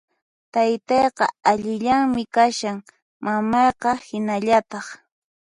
Taytaqa allillanmi kashan, mamayqa hinallataq